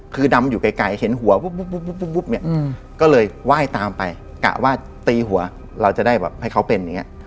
คือดำอยู่ไกลเห็นหัวปุ๊บเนี่ยก็เลยไหว้ตามไปกะว่าตีหัวเราจะได้แบบให้เขาเป็นอย่างนี้